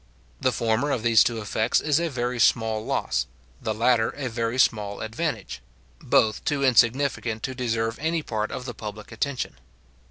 The former of these two effects is a very small loss, the latter a very small advantage; both too insignificant to deserve any part of the public attention.